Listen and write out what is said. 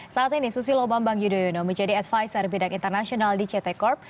saat ini susilo bambang yudhoyono menjadi advisor bidang internasional di ct corp